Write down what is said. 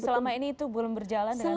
selama ini itu belum berjalan dengan baik